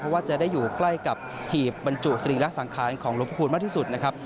เพราะว่าจะได้อยู่ใกล้กับหีบบรรจุสรีระสังขารของหลวงพระคุณมากที่สุดนะครับ